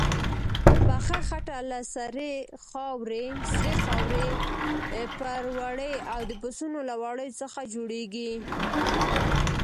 پخه خټه له سرې خاورې، پروړې او د پسونو له وړیو څخه جوړیږي.